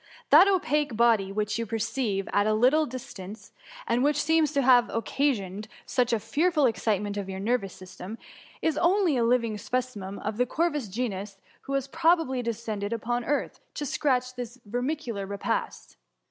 That opaque body which you perceive at a little diB» tmce) and which seems to have occasioned such a fearful excitement of your nervous system, is only a living specimen of the corvus genus, who has probably descended upon earth to search {or his vermicular repast.